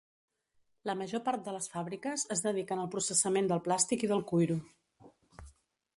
La major part de les fàbriques es dediquen al processament del plàstic i del cuiro.